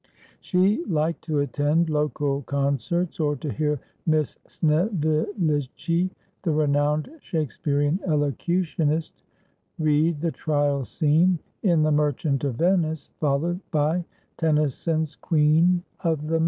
She liked to attend local con certs, or to hear Miss Snevillici, the renowned Shakespearian elocutionist, read the Trial Scene in the ' Merchant of Venice,' followed by Tennyson's ' Queen of the May.'